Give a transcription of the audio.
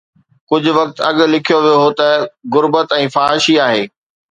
ڪجهه وقت اڳ لکيو ويو هو ته غربت به فحاشي آهي.